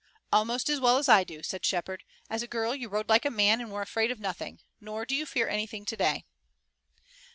"Almost as well as I do," said Shepard. "As a girl you rode like a man and were afraid of nothing. Nor do you fear anything today."